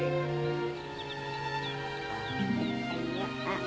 あっ。